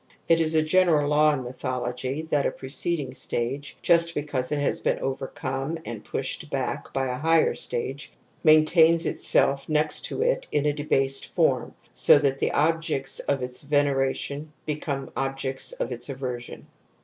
It is a general law in mythology that a preceding stage, just because it has been overcome and pushed back by a higher stage, maintains itself next to it in a debased form so that the objects of its veneration be come objects of aversion ®.